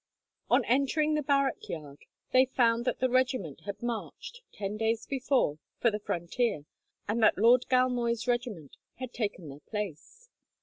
On entering the barrack yard, they found that the regiment had marched, ten days before, for the frontier, and that Lord Galmoy's regiment had taken their place.